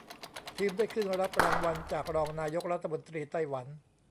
ทีมได้ขึ้นรับรางวัลจากรองนายกรัฐมนตรีไต้หวัน